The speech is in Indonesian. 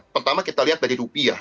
pertama kita lihat dari rupiah